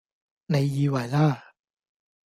你以為啦！